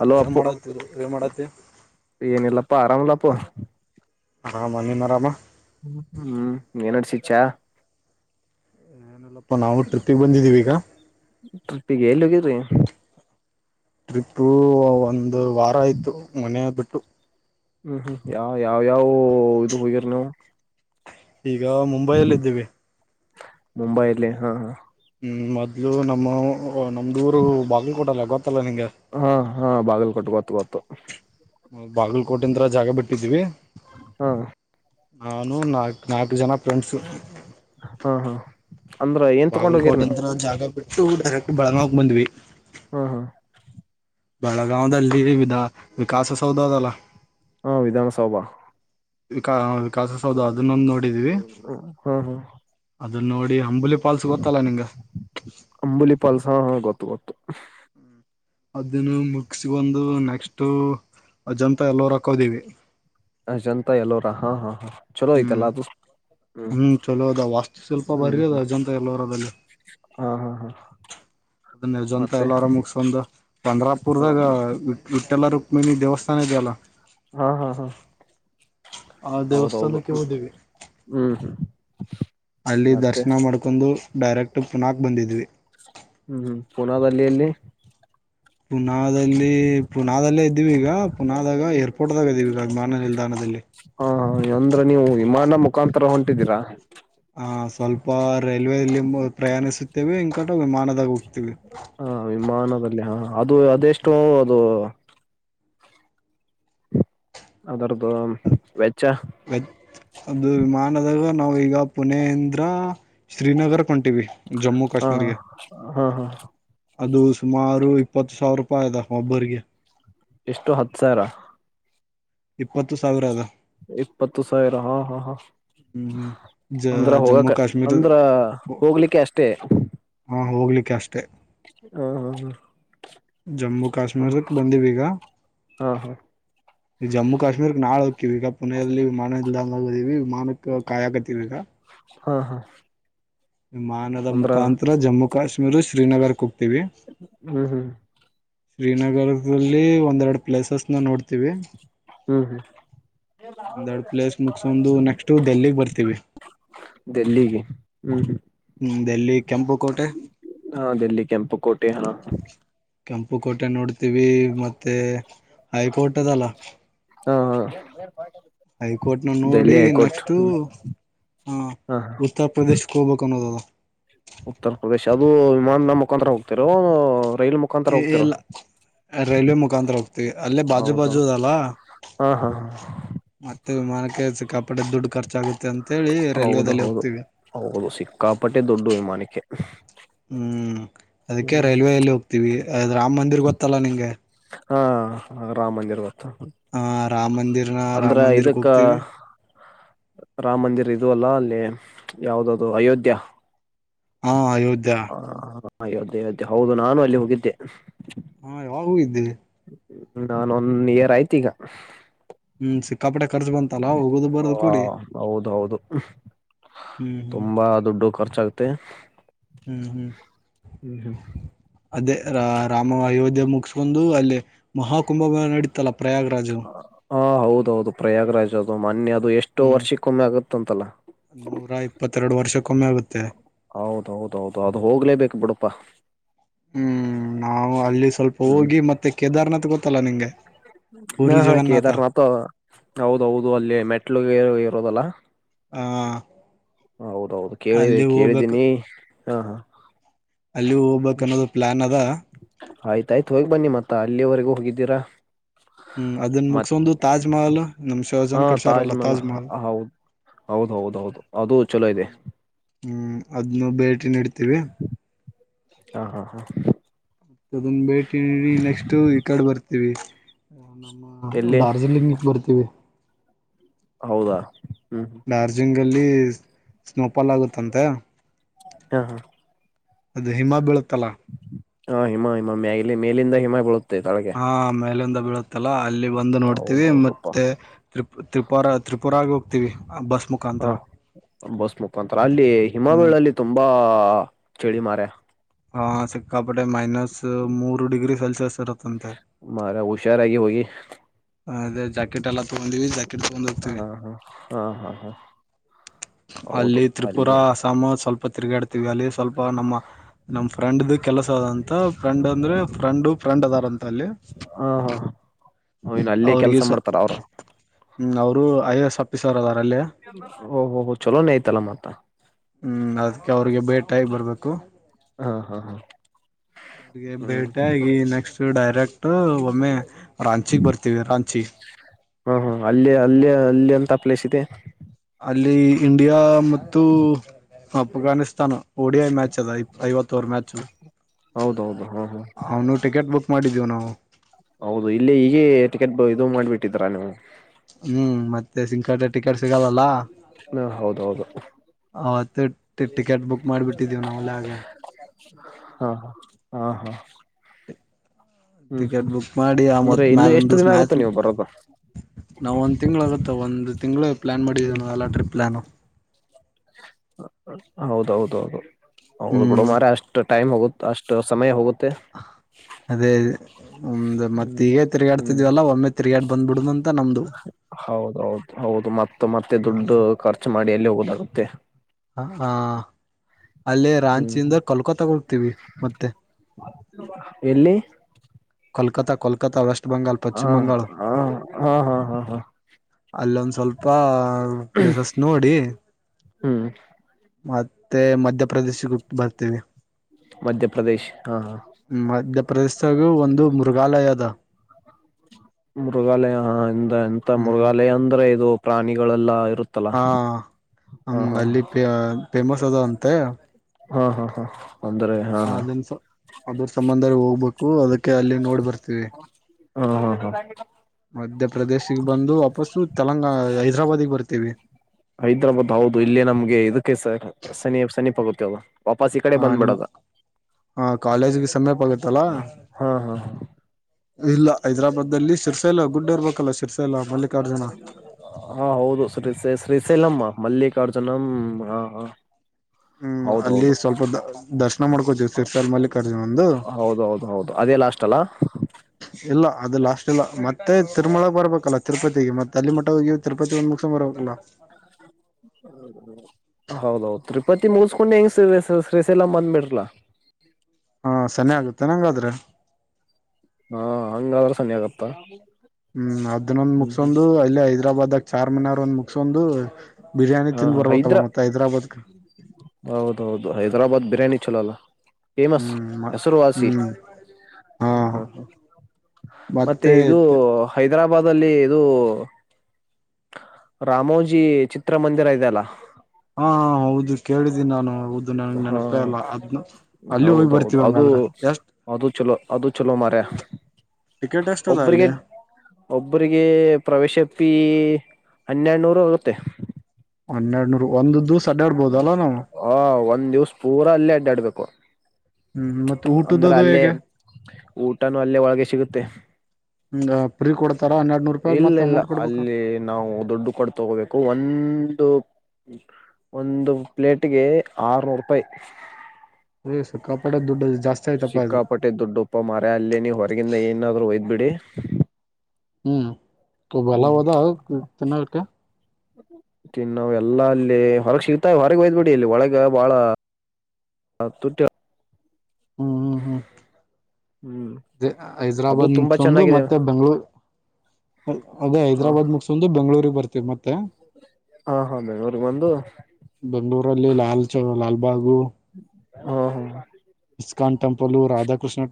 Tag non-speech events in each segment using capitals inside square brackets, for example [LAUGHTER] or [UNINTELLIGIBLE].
Hello ಏನ್ ಅಪ್ಪು ಮಾಡತ್ತಿದ್ರು ಏನ್ ಮಾಡತ್ತಿ ಏನಿಲ್ಲಪ್ಪ ಆರಾಮ್ ಇಲ್ಲ [INAUDIBLE] ಆರಮ್ ನೀವು ಆರಾಮಾ ಹ್ಮ್ ಹ್ಮ್ ಏನಡ್ಸಚಾ ಏನಲ್ಲಪ್ಪ ನಾವು ಟ್ರಿಪ್ಪಿಗೆ ಬಂದಿದ್ದೀವಿ ಈಗ. ಟ್ರಿಪ್ಪಿಗೆ [UNINTELLIGIBLE] ಟ್ರಿಪ್ ಒನ್ ಒ ವಾರ ಆಯ್ತು ಮನೆ ಬಿ [UNINTELLIGIBLE] ಹ್ಮ್ ಹ್ಮ್ ಯಾವ ಯಾವ ಯಾವ ಇದು ಹೋಗಿರಿ ನೀವ್. ಈಗ ಮುಂಬೈಲ್ ಇದ್ದೀವಿ. ಮುಂಬೈಲ್ಲಿ ಹಾ ಹಾ ಹ್ಮ್ ಮೊದ್ಲು ನಮ್ಮವ್ ಓಹ ನಮ್ದ ಊರು ಬಾಗಲಕೋಟ ಅಲ್ಲ ಗೊತ್ತಲ್ಲ ನಿಂಗ. ತ್ತು ಗೋತ್ತು. ಬಾಗಲಕೋಟೆಂತ್ರ ಜಾಗ ಬಿಟ್ಟಿದ್ವಿ ಹಾ ನಾನು ನಾಕ್ ನಾಕ್ ಜನ ಫ್ರೆಂಡ್ಸ್ ಹಾ ಹಾ ಅಂದ್ರ ಏನ್ ತಗೊಂಡ್ ಹೋಗಿರಿ ಬಾಗುಲ್ಕೋಟೆ ನೀವು ಎಂತರ ಜಾಗ ಬಿ ಟು ಡೈರೆಕ್ಟ್ ಬಳಂಗೋಳಕ್ ಬಂದ್ವಿ. ಹ್ಮ ಹಾ ಬೆಳಗಾವದಲ್ಲಿ ವಿಧ ವಿಕಾಸ ಸೌಧ ಅದಲ್ಲ. ಹಾ ವಿಧಾನಸೌಭಾ ವಿಕಾ ಕಾಸ ಸೌದು ಅದನ್ನೊಂದು ನೋಡಿದೀವಿ. ಹಾ ಹಾ ನೋಡಿ ಅಂಬುಲಿ ಫಾಲ್ಸ್ ಗೊತ್ತಲ್ಲ ನಿಂಗ ಅಂಬುಲಿ ಪಾಲ್ಸ ಹ ಹ ಗೊತ್ ಗೊತ್ತು. ಹ್ಮ್ ಅದನ್ನು ಮುಗ್ಸ್ ಬಂದು ನೆಕ್ಸ್ಟ್ ಅಜಂತ ಎಲ್ಲೋ ರಕ್ ಹೋದಿವಿ. ಅಜಂತ ಎಲ್ಲೋರ ಹಾ ಹಾ ಹಾ ಚಲೋ ಹ್ಮ್ ಐತಲ್ಲ ಅದು. ಹ್ಮ್ ಚಲೋ ಅದ ವಾಸ್ತು ಶಿಲ್ಪ ಹ್ಮ್ ಬಾರಿ ಅದ ಹ್ಮ್ ಅಜಂತ ಎಲ್ಲೋರದಲ್ಲಿ ಹಾ ಹಾ ಹಾ ಅದನ್ನ ಅಜಂತ ಮತ್ತೆ ಎಲ್ಲೋರ ಮುಗಸ್ಬಂದ್ ಹಾ ಬಂಗ್ರಾಪುರ್ದಾಗ ವಿಟ್ಟೆಲ್ಲರು ಮನಿ ದೇವಸ್ಥಾನ ಇದೆಯಲ್ಲ. ಹ್ಮ ಹ್ಮ್ ಹ್ಮ್ ಆ ದೇವಸ್ಥಾನಕ್ಕೆ ಓದವಿ. ಹ್ಮ್ [INAUDIBLE] ಅಲ್ಲಿ ಮತ್ತೆ ದರ್ಶನ ಮಾಡ್ಕೊಂಡು ಡೈರೆಕ್ಟ್ ಪುನಃ ಬಂದಿದ್ವಿ. ಹ್ಮ್ ಹ್ಮ್ ಪುನಾದಲ್ಲಿ ಎಲ್ಲಿ ಪುನಾದಲ್ಲಿ ಪುನಾದಲ್ಲೇ ಇದ್ದೀವಿ ಈಗ ಪುನಾದಾಗ ಏರ್ಪೋರ್ಟ್ದಾಗ ಇದೀವಿ ಈಗ ವಿಮಾನ ನಿಲ್ದಾಣದಲ್ಲಿ. ಹಾ ಅಂದ್ರೆ ನೀವು ವಿಮಾನ ಮುಖಾಂತರ ಹೊಂಟಿದೀರ. ಆ ಸ್ವಲ್ಪ ಕಟ ವಿಮಾನದಾಗ್ ಹೊ ತಿವಿ. ಮಾನದಲ್ಲ [UNINTELLIGIBLE] ಹಾ ಅದು ಅದೆಷ್ಟು ಅದು ಅದಾರದ್ದು ವೆಚ್ಚ ವ [UNINTELLIGIBLE] ಅದು ವಿಮಾನದಾಗ ನಾವು ಈಗ ಪುಣೆ ಇಂದ್ರ ಶ್ರೀನಗರ ಕೊಂಟಿವಿ [UNINTELLIGIBLE] ಜಮ್ಮು ಹಾ ಕಾಶ್ಮೀರ್ಗೆ ಹಾ ಹಾ ಅದು ಸುಮಾರು ಇಪ್ಪತ್ತು ಸಾವಿರ [UNINTELLIGIBLE] ಒಬ್ಬೇರ್ಗೆ ಎಷ್ಟು ಹತ್ ಸಾವಿರ ಇಪ್ಪತ್ತು ಸಾವಿರ ಅದ. ಇಪ್ಪತ್ತು ಸಾವಿರ ಹಾ ಹಾ ಹಾ ಹ್ಮ್ ಹ್ಮ್ ಜ ಅಂದ್ರ ಜಮ್ಮು ಹೋಗಕ ಕಾಶ್ಮೀರದ ಅಂದ್ರ ಹೋಗ್ಲಿಕ್ಕೆ ಅಷ್ಟೇ ಹಾ ಹೋಗ್ಲಿಕ್ಕೆ ಅಷ್ಟೇ ಹಾ ಹಾ ಹಾ [INAUDIBLE] ಜಮ್ಮು ಕಾಶ್ಮೀರಕ್ ಬಂದಿವ ಈಗ ಹ ಹ ಈ ಜಮ್ಮು ಕಾಶ್ಮೀರಕ್ ನಾಳ [UNINTELLIGIBLE] [UNINTELLIGIBLE] ವಿಮಾನಕ್ ಕಾಯಕತೀವಿವಾಗ [UNINTELLIGIBLE] ಹಾ ಹಾ ವಿಮಾನದ ಅಂದ್ರ ಮುಖಾಂತರ ಜಮ್ಮು ಕಾಶ್ ಶ್ರೀನಗರ [UNINTELLIGIBLE] ಹ್ಮ್ ಹ್ಮ್ ಶ್ರೀನಗರ್ [UNINTELLIGIBLE] ಒಂದೆರಡು ಪ್ಲೇಸಸ್ ನ ನೋಡ್ತೀವಿ. ಹ್ಮ್ ಹ್ಮ್ ಒಂದೆರಡು ಪ್ಲೇಸ್ ಮುಗಸೊಂಡ ನೆಕ್ಸ್ಟ್ ಡೆಲ್ಲಿಗ್ ಬರ್ತೀವಿ ಡೆಲ್ಲಿಗೆ ಹ್ಮ್ ಹ್ಮ್ ಹ್ಮ್ ದೆಲ್ಲಿ ಕೆಂಪುಕೋಟೆ. ಹಾ ಡೆಲ್ಲಿ ಕೆಂಪು ಕೋಟೆ ಹಾ ಕೆಂಪು ಕೋಟೆ ನೋಡ್ [UNINTELLIGIBLE] ಮತ್ತೆ ಹೈಕೋರ್ಟ್ದಲ್ಲ ಹಾ ಹಾ ಹೈಕೋರ್ಟ್ನ ನೋಡಿ ನೆಕ್ಸ್ಟ್ ಹ್ಮ್ [UNINTELLIGIBLE] ಆ ಹಾ ಹಾ ಉತ್ತರ ಪ್ರದೇಶಕ್ಕೆ ಹೋಗ್ಬೇಕ ಅನ್ನೋದ ಉತ್ತರ ಪ್ರದೇಶ್ ಅದು ವಿಮಾನದ ಮುಖಾಂತರ ಹೋಗ್ತಿರ ಇಲ್ಲ ರೈಲ್ವೆ ಮುಖಾಂತರ ಹೋಗ್ತವಿ ಅಲ್ಲೇ ಬಾಜು ಹೌದಾ ಬಾಜು [UNINTELLIGIBLE] ಇದಲ್ಲ ಹಾ ಹಾ ಹಾ ಮತ್ತೆ ವಿಮಾನಕ್ಕೆ ಸಿಕ್ಕ ಪಟ್ಟೆ ದುಡ್ಡು ಖರ್ಚಆಗುತ್ ಹೌದ ಹೌದು ಹೌದು ಸಿಕ್ಕಾಪಟ್ಟೆ ದುಡ್ಡು ವಿಮಾನಕ್ಕೆ. ಹ್ಮ [INAUDIBLE] ಹ್ಮ್ ಅದಕ್ಕೆ ರೈಲ್ವೆ ಎಲ್ಲಿ ಹೋಗ್ತೀವಿ. ದ ರಾಮ್ ಮಂದಿರ್ ಗೊತ್ತಲ್ಲ ನಿಂಗೆ. ಹಾ ರಾಮ ಮಂದಿರ್ [UNINTELLIGIBLE] ಹಾ ರಾಮ್ ಮಂದಿರ್ನ ಅಂದ್ರ ರಾಮ್ ಮಂದಿರ್ಗೆ ಇದಕ್ಕ ಹೋಗ್ತೀವಿ ರಾಮ ಮಂದಿರ್ ಇದ ಅಲ್ಲ ಅಲ್ಲಿ ಯಾವ್ದದು ಅಯೋಧ್ಯ ಹಾ ಅಯೋಧ್ಯಾ ಅಯೋಧ್ಯೆೆಯೋಧ್ಯೆ ಹೌದು ನಾನು ಅಲ್ಲಿ ಹೋಗಿದ್ದೆ ಹಾ ಯಾವಾಗೂ ಇದ್ದೇವೆ ನಾನ್ ಒಂದ ಇಯರ್ ಆಯ್ತ ಈಗ ಕಪಡಡೆ ಹ ಹೌದ ಹೌದು ಹ್ಮ್ ಹ್ಮ್ ತುಂಬಾ ದುಡ್ಡು ಖರ್ಚಾಗುತ್ತೆ ಹ್ಮ್ ಹ್ಮ್ ಹ್ಮ್ ಹ್ಮ್ [INAUDIBLE] ಅದೇ ರ ರಾಮ ಅಯೋಧ್ಯೆ ಮು ಮುಗಸ್ಕೊಂಡು ಅಲ್ಲ ಮಹಾಕುಂಭ ನಡೀತಲ್ಲ ಪ್ರಯಾಗರಾಜು ಹಾ ಹೌದ ಹೌದು ಪ್ರಯಾಗ್ರಾಜ್ ಅದು ಮೊೆ ಅದು ದು ಎಷ್ಟೋ ಹ್ಮ್ ವರ್ಷಕ್ಕೊಮ್ಮೆ ಆಗುತ್ತ ಅಂತಲ್ಲ ನೂರ ಇಪ್ಪತ್ತೆರಡು ವರ್ಷಕ್ಕೊಮ್ಮೆ ಆಗುತ್ತೆ ಹೌದೌದು ಹೌೌದು ಅದು ಹೋಗ್ಲೇಬೇಕು ಬಿಡಪ್ಪಾ ಹ್ಮ್, ನಾವು ಅಲ್ಲಿ, ಸ್ವಲ್ಪ ಹೋಗಿ ಮತ್ತೆ ಕೇದಾರ್ನಾಥ್, ಗೊತ್ತ? [INAUDIBLE] ಗೊತ್ತಲ್ಲ ನಿಂಗೆ ಹ, ಪೂರಿ ಹಾ, ಜಗನ್ನಾಥ ಕೇದಾರ್ನಾಥ, ಹೌದೌದು ಅಲ್ಲಿ ಮೆಟ್ಲುಗೆ. [INAUDIBLE] ಪ್ರಭಲ ಆ ಹೌದು ಹೌದು ಅಲ್ಲಿ [UNINTELLIGIBLE] ಹೋಗ್ಬೇಕು ಕೇಳಿದೀನಿ ಹಾ ಹಾ ಅಲ್ಲಿ ಹೋಗ್ಬೇಕ ಅನ್ನೋದು ಪ್ಲಾನ್ ಅದ ಆಯ್ತಾಯ್ತು ಹೋಗಿ ಬನ್ನಿ ಮತ್ತ ಅಲ್ಲಿವರೆಗೂ ಹೋಗಿದ್ದೀರಾ ಹ್ಮ್ ಅದನ್ನ ಮತ್ ಮುಗಸಂದು ತಾಜ್ಮಹಲ್ ನಮ್ ಹಾ ಶಾಜಹಾನ್ ಕಟ್ಸಿಯರ್ ತಾಜ್ ಅಲಾ ಮಹಲ್ ತಾಜಮಹಲ್ ಹೌದ್ ಹೌದ್ ಹೌದ್ ಹೌದು ಅದು ಚೊಲೋ ಇದೆ ಹ್ಮ ಅದ್ನ್ನು ಬೇ... ನತೇವಿ [UNINTELLIGIBLE] ಹಾ ಹಾ ಹಾ ಅದನ್ನ ಭೇಟಿ ನೀಡಿ ನೆಕ್ಸ್ಟ್ ಈ ಕಡೆ ಬರ್ತೀವಿ ಹ ನಮ್ಮ ಎಲ್ಲಿ ಡಾರ್ಜಿಲಿಂಗಗೆ ಬರ್ತೀವಿ ಹೌದಾ ಹ್ಮ್ ಲ್ಲಿ ಸ್ನೋಫಾಲ್ ಆಗುತ್ತಂತೆ ಹಾ ಹಾ ಅದು ಹಿಮಾಬೀಳತಲ ಹ ಹಿಮ ಹಿಮ ಮೇಲಿ ಮೇಲಿಂದ ಹಿಮ ಬಳುತ್ತ ಹಾ ಮೇಲೆೊಂದು ಮಳ ತ್ತಲಾ ಅಲ್ಲಿ ಬಂದು ನೋಡ್ತೀವಿ ಹೌದೌದಪ್ಪಾ ಮತ್ತೆ ತ್ರಿ ತ್ರಿಪುರಾ ತ್ರಿಪುರಾಗ ವಿಿ ಹ ಬಸ್ ಮುಖಾಂತರ ಅಲ್ಲಿ ಹಿಮಾವಳ ಹ್ಮ್ ಅಲ್ಲಿ ತುಂಬಾ ಹಾ ಚಿಳಿ ಮಾರ್ಯ ಹಾ ಸಿಕ್ಕಾಪಟೆ ಮೈನಸ್ ಮೂರು ಡಿಗ್ರಿ ಸೆಲ್ಸಿಯಸ್ ಅರುತ್ತ ಮರ ಹಷಾರ ಆ [UNINTELLIGIBLE] ಹ ಅದೇಾ ಜಾಕೆಟ್ ಎಲ್ಲ ತಗೊಂಡ ಜಾಕೆಟ್ ತಗೊಂಡ್ ಹಾ ಹೋಗ್ತವಿ ಹಾ ಹಾ ಹಾ ಹಾ ಹೌದು ಅಲ್ಲಿ ತ್ರಿಪುರಾ ಅಲ್ಲಿ ಅಸ್ಸಾಾಮ ಸ್ವಲ್ಪ ತಿರುಗಾಡ್ತವಿ ಅಲ್ಲಿ ಸ್ವಲ್ಪ ನಮ್ಮ ನಮ ್ರೆಂಡ್ ಕೆಲಸ ಅದಂತ ಫ್ರೆಂಡ್ ಅಂದ್ರೆ ಹಾ ಫ್ರೆಂಡು ಫ್ರೆಂಡ್ ಅದಾರಂತ ಅಲ್ಲಿ ಹ್ನ್ ಅಲ್ಲೇ ಅವ್ರಿಗೆ ಕೆಲಸ ಸ ಮಾಡ್ತಾರ ಅವರು ಹ್ಮ್ ಅವ್ರು ಐ ಎಸ್ ಆಫೀಸರ್ ಅದ ಓಹೋ ಹೋ ಚಲೋ ನ ಆಯ್ತಲ್ಲ ಮತ್ತ ಹ್ಮ್ ಅದ್ಕ್ ಅವ್ರಿಗೆ ಭೇಟಾಗಿ ಬರ್ಬೇಕು ಹಾ ಹಾ ಹಾ ಅವ್ರಿಗೆ ಹ್ಮ್ ಭೇಟ ಆಗಿ ನೆಕ್ಸ್ಟ್ ಡೈರೆಕ್ಟ್ ಟು ಒಮ್ಮೆ ರಾಂಚಿಗ್ ಬರ್ತೀವಿ ರಾಂಚಿ ಇನ್ಯ ಇನ್ನೆಂತ ಪ್ಲೇಸ್ ಇದೆ ಅಲ್ಲಿ ಇ ಇಡಿಯ ಮತ್ತು ಅಫ್ಘಾನಿಸ್ತಾನ ಓಡಿಯಿ ಮಾಚ್ ಅ ಐವತ್ತು ತೂರ್ ಮ್ಯಾಚ್ ಹೌದೌದು ಹಾ ಹಾ ಅವನು ಟಿಕೆಟ್ ಬುಕ್ ಮಾಡಿದ್ದೀವು ನಾವು ಹೌದು ಇಲ್ಲಿ ಈಗಿ ಟಿಕೆಟ್ ಇದು ಮಾಡ್ಬಿಟ್ಟಿದ್ರ ನೀವು ಹ್ಮ್ ಮತ್ತೆ ಸಿಂಕಟೆ ಟಿಕೆಟ್ ಸಿಗಲ್ಲಲ್ಲ ಹ ಹೌದೌದು ಅವತ್ತು ಟಿಕೆಟ್ ಬುಕ್ ಮಾಡಿಬಿಟ್ಟಿದ್ದೀವಿ ನಾವಲ್ಲ ಹಾಗ ಹ ಹಾ -ಹಾ [INAUDIBLE] ಹ್ಮ್ ಟಿಕೆಟ್ ಹ್ಮ್ ಬುಕ್ ಮಾಡಿ ಆ ಅಂದ್ರೆ ಮತ್ ಮ ಇನ್ನು ಒಂದ ಎಷ್ಟು ದಿವ ದಿನ ಮ್ಯಾಚ್ ಆಗುತ್ತೆ ನೀವು ಬರೋದು [INAUDIBLE] ನಾವ್ ಒಂದ್ ತಿಂಗಳ ಮತ್ತು ಒಂದು ತಿಂಗಳು ಪ್ಲ್ಯಾನ್ ಮಾಡಿದ್ದೀ ನ ಎಲ್ಲ ಟ್ರಿಪ್ ಪ್ಲ್ಯಾನು ಹ ಹೌದೌದ ಹೌದು ಹೌದು ಬುಡ ಹ್ಮ್ ಮಾರ ಅಷ್ಟ ಟೈಮ್ ಹೋಗುತ್ತ ಅಷ್ಟು ಸಮಯ ಹೋಗು ಅದೇ ಒಮ್ದ ಮತ್ತೆ ಹ್ಮ್ ಈಗೇ ಹ್ಮ್ ತಿರುಗಾಡ್ತಿದ್ವಲ್ಲ ಒಮ್ಮೆ ತಿರುಗಾಡ್ ಬಂದ್ಬಿಡಮ ಅಂತ ನಮ್ದು ಹೌದೌದು ಹೌದು ಮ ತ್ತೆ ದುಡ್ಡು ಹ್ಮ್ ಖರ್ಚು ಮಾಡಿ ಅಲ್ಲಿ ಹೋಗೋದ ತ್ಯ ಹ ಹಾ ಅಲ್ಲೇ ಹ್ಮ್ ರಾಂಚಿಯಿಂದ ಕಲ್ಕತ್ತಾಗ ಹೋಗ್ತೀವಿ ಮತ್ತೆ ಎಲ್ಲಿ ಕಲ್ಕತ್ತಾಲ್ ಕಲ್ಕತಾ ವೆಸ್ಟ್ ಬಂಗಾಲ್ ಹ ಪಚ್ಚಿ ಮಂಗಾಳ [INAUDIBLE] ಹ ಹಾ ಹಾ ಹಾ ಹಾ ಅಲ್ಲೊಂದ ಸ್ವಲ್ಪ ಪ್ಲೇಸಸ್ ನೋಡಿ ಹ್ಮ್ ಮತ್ತೆ ಮಧ್ಯಪ್ರದೇಶಕೋಗ್ಗಿ ಬರ್ತೇವಿ ಮಧ್ಯ ಪ್ರದೇಶ್ ಹ ಹಾ ಪ್ರದೇಶಗೂ ಒಂದು ಮೃಗಾಲಯದ ಮುೃಗಾಲಯ ಹಾ ಎಂತ ಹ್ಮ್ ಮುೃಗಾಲಯ ಅಂದ್ರೆ ಇದು ಪ್ರಾಣಿಗಳೆಲ್ಲ ಇರುತ್ತಲ್ಲ ಹಾ ಹಾ ಹಾ ಅಲ್ಲಿ ಫೇಮಸ್ ಅದ ಅಂತೆ ಹಾ -ಹಾ- ಹಾ ಅಂದ್ರೆ ಹಾ -ಹಾ ಕು ಅದ ಕ ಅಲ್ಲಿ ನೋಡಿಬರ್ತೀವಿ ಹಾ- ಹಾ- ಹಾ ಮಧ್ಯಪ್ರದೇಶಿಗೆ ಬಂದು ವಾಪಸ್ಸು ತೆಲಂಗ ಹೈದ್ರಾಬಾದಿಗೆ ಬರ್ತೀವಿ ಹೈದ್ರಾಬಾದ್ ಹೌದು ಇಲ್ಲೇ ನಮ್ಗೆ ಇದಕ್ಕೆ ಸನಿ- ಸನಿಪ್ಗುತ್ತ ಅದು ವಾಪಸ್ ಈ ಕಡೆ ಬಂದ್ಬಿಡದ ಕಾಲೇಜಿಗೆ ಸಮಯಪ ಆಗತ್ತಲ್ಲ ಹಾ- ಹಾ ಇಲ್ಲ ಹೈದರಾಬಾದ್ಲ್ಲಿ ಶಿರ್ಸೆಲ ಗುಡ್ಡ ಇರ್ಬೇಕಲ್ಲ ಶಿರ್ಸೆಲಾ ಮಳ ಹಾ ಹೌದು ಶ್ರೀ ಶ್ರೀ ಸೆಲಮ್ಮಮ್ಮ ಮಲ್ಲಿಕಾರ್ಜುನ ಹ ಹಾ ಹ್ಮ್ ಅಲ್ಲಿ ಹೌದೌದು ಸ್ವಲ್ಪ ದ ದರ್ಶನ ಮಾಡ್ಕೋತೀವಿ ಸರ್ಸಲ್ ಮಲ್ಲಿಕರ್ಜಿನ ಒಂದು ಹೌದೌದು ಹೌದು ಅದೇ ಲಾಸ್ಟ್ ಅಲ್ಲ ಇಲ್ಲ ಅದು ಲಾಷ್ಟಟ್ ಇಲ್ಲ ಮತ್ತೆ ತಿರುಮಳಕ್ ಬರ್ಬೇಕಲ್ಲ ತಿರುಪತಿಗೆ ಮತ್ತೆ ಅಲ್ಲಿ ಮಠ ಹೋಗ ತಿರುಪತಿ ಒಂದ ಹೌದೌದುರಿ ಪತಿ ಮುಗಿಸಕೊಂಡು ಹೆಂಗ ಶೇಸಲ ಮಂದ್ ಬಿಡಲಾ ಹಾ ಚನಿ ಆಗುತ್ತೆ ನಂಗಾದ್ರೆ ಹಾ ಹಂಗಾದ್ರೆ ಸನಿ ಆಗತ್ತ ಹ್ಮ್ ಅದ ಅನ್ನೊಂದು ಹ್ಮ್ ಮುಗಸೊಂದು ಅಲ್ಲಿ ಹೈದರಾಬಾದ್ಾಗ ಚ ಮನ ಮು ಒಂದು ಬಿರಿಯಾನಿ ಹಾ ತಿಂದು್ ಹಾ ಬರ್ಬೇಕಲ್ಲ ಹೈದ್ರಾ ಮತ್ತೆ ಹೈದ್ರಾಬಾದ್ಗೆ ಚಲಲ್ಲ ಫೇಮಸ್ ಹೆಸರುವಾಸಿ ಹ್ಮ್ ಹಾ ಹ ಹ್ಮ್ ಹ್ಮ್ ಮತ್ತೆ ಇದು ಹೈದ್ರಾಬಾದ್ ಾದಲ್ಲಿ ಇದು ರಾಮೋಜಿ ಚಿತ್ರ ಮಂದಿರ ಇದೆಲ್ಲ ಹಾ ಹೌದು ಕೇಳಿದ್ದೀನಿ ನಾನು ಹೌದು ನನ್ ಹಾ ನೆನಪೇ ಅಲ್ಲ ಅದ್ನು ಅಲ್ಲಿ ಹೋಗಿ ಬರ್ತೀವಿ ಹಂಗಾದ್ರ ಎಷ್ಟ ಅ ಚಲೋ ಮಾರೆೆ ಎಷ್ಟ ಅದ ಒಬ್ಬರಿಗೆ ಅಲ್ಲಿ ಒಬರಿಗೆ ಪ್ರವೇಶ ಪೇ ಹನ್ನೆರಡುನೂರು ಆರುತ್ತೆ ಹನ್ನೆರಡು ಹ ಒಂದ್ ದಿವ್ಸ ಪೂರಾ ಅಲ್ಲೇ ಅಡ್ಡಾಡ್ಬೇಕು ಹ್ಮ್ ಮತ್ತೆ ಅಂದ್ರೆ ಊಟದದು ಅಲ್ಲೇ ಹೇಗೆ ಊಟನೂ ಅಲ್ಲೇ ಒಳಗೆ ಸಿಗುತ್ತೆ ಹ್ಮ ಫ್ರೀ ಕೊಡ್ತಾರ ಹನ್ನೆರಡ್ ನೂರು ರೂಪಾಯಿ ಇಲ್ಲ ಮತ್ತ ಇಲ್ಲ ಅಮೌಂಟ್ ಕೊಡ್ಬೇಕಾ ಅಲ್ಲಿ ನಾವು ದುಡ್ಡು ಕೊಡ್ತಗೋಬೇಕು ಒಂದ ಒಂದು ಒಂದು ಪ್ಲೇಟ್ಗೆ ಆರ್ನೂರು ರೂಪಾಯಿ ರ ಸಕ್ಕಪ್ಪ ಸಿಕ್ಕಾಪಟ್ಟೆ ದುಡ್ಡ ಉಪ್ಪ ಮರ ಅಲ್ಲೇ ನೀ ಹೊರಗಿಂದ ಏನಾದ್ೂ ಒಯದ್ ಬಿಡಿ ಹ್ಮ್ ಭಲವದಾನ್ನಕ್ಕೆೆ ತಿನ್ನು ನಾವ್ ಎಲ್ಲ ಅಲ್ಲಿ ಹೊರಗ್ ಸಿಗ್ತಾ ಹೊರಗೆ ಒಯ್ದ್ ಬಿಿಡಿ ಇಲ್ಲಿ ಒಳಗ ಬಾಳ ತುಟ್ಟಿ ಹ್ಮ್ ಹ್ಮ್ ಹ್ಮ್ ಹ್ಮ್ ಅದು ಹೈದ್ರಾಬಾದ್ ತುಂಬಾ ಮುಗಸೋಂದು ಚೆನ್ನಾಗಿದೆ ಮತ್ತೆ ಬೆಂಗ್ಗಳೂ ಅದೇ ಹ ಹೈದ್ರಾಬಾದ್ ಮುಗಸೋಂದು ಬೆಂಗಗಳೂರಿಗೆ ಬರ್ತವಿ ಮ್ಮ ಮ ಹಾ ಹಾ ಬೆಂಗಳೂರ್ಗ್ ಬಂದು ಬೆಂಗಳೂರಲ್ಲಿ ಲಾಲ್ ಚ ಲಾಲ್ಬಾಗು ಹಾ ಹಾ ಸ್ಕಾನ್ ಟಂಪಲ್ ರಧಾಕೃಷ್ಣ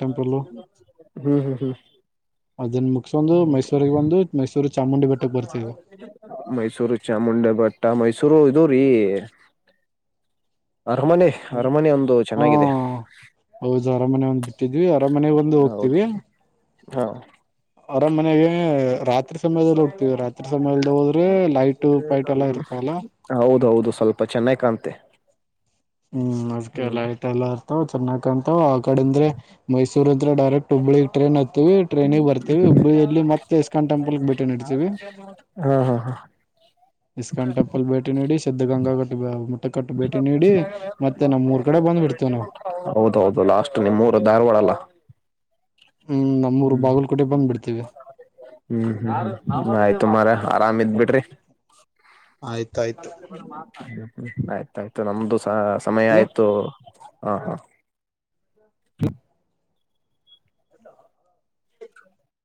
ಹ್ಮ್ ಹ್ಮ್ ಹ್ಮ್ ಅದನ್ನ ಮುಗಸೊಂದು ಮೈಸೂರಿಗೆ ಬಂದು ಮೈಸೂರು ಚಾಮುಂಡಿ ಬೆಟ್ಟಕ್ಕೆ ಬರ್ತೀವಿ ಮೈಸೂರು ಚಾಮಂಡೆ ಬಟ್ಟಟ್ಟ ಮೈಸೂ ಶುರು ಇದು ರೀ ಅರಮನೆ ಅರಮನೆ ಒಂದು ಹಾ ಚೆನ್ನಾಗಿದೆ ಟ್ಟಿದ್ವಿ ಅರ ಮನೆ ಬಂದು ಹೌದು ಹೋಗ್ತೀವಿ ಹಾ ಆರಾಮ್ ಮನೆಗೆ ರಾತ್ರಿ ಸಮಯದಲ್ಲಿ ಹೋಗ್ತೀವಿ ರಾತ್ರಿ ಸಮಯದಲ್ಲಿ ಹೋದ್ರೆ ಲೈಟ್ ಪೈಟ್ ಎಲ್ಲ ಇರ್ತವಲ್ಲ ಹೌದೌದು ಸ್ವಲ್ಪ ಚೆನ್ನಾಗಿ ಕಾಣುತ್ತೆ ಹ್ಮ್ ಅದ್ಕ ಹ್ಮ್ ಲೈಟ್ ಎಲ್ಲ ತ ಚೆನ್ನ ಂತ ಆ ಕಡೆ ಅಂದ್ರೆ ಮೈಸೂರ್ ಹಂದ್ರ ಡೈರೆಕ್ಟ್ ಹುಬ್ಳ್ಳಿಗ್ ಟ್ರೈನ್ ಹತ್ತವಿ ಟ್ರೈನಗ್ ಬರ್ತೀವಿ ಹುಬ್ಬಳ್ಳಿಯಲ್ಲಿ ಮತ್ತೆ ಇಸ್ಕಾನ್ ಟೆಂಪಲ್ ಭೇಟಿ ನೀಡ್ತೀವಿ ಹಾ ಹಾ ಹಾ ಇಸ್ಕಾ ಟಪ್ಪಲ್ ಭೇಟಿ ನೀಡಿ ಸಿದ್ಧಗಂಗಾ ಕಟ್ಟ ಕಡೆ ಬಂದ್ಬಿಡ್ತೀವಿ ನಾವು ಹೌದೌದು ಲಾಸ್ಟ್ ನಿ ಮೂರತ್ತು ಧಾರವಾಡಲ್ಲ ಹ್ಮ್ ನಮ್ಮೂರು ಹ್ಮ್ ಬಾಗಲಕೋಟೆ ಬಂದ್ಬಿಡ್ತೀವಿ ಹ್ಮ್ ಹ್ಮ್್ಮ ಆಯ್ತು ತುಮಹಾರ ಆರಾಮ ಇದ್ ಬಿಡ್ರಿ ಆಯ್ತಾಯ್ತು ಹ್ಮ್ ಆಯ್ತಾಯ್ತು ನಮ್ದು ಸ ಸಮಯ ಇಡ್ಲಾ ಆಯ್ತು ಹಾ ಹಾ [UNINTELLIGIBLE]